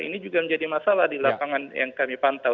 ini juga menjadi masalah di lapangan yang kami pantau